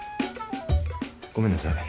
ごめんなさい。